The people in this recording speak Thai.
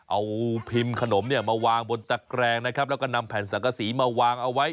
เอาพิมพ์ขนมเนี่ยมาวางบนตะแกรงนะครับแล้วก็นำแผ่นสังกษีมาวางเอาไว้